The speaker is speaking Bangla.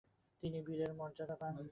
তিনি বীরের মর্যাদা পান।